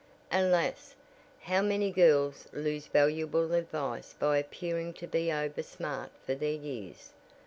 Alas, how many girls lose valuable advice by appearing to be over smart for their years!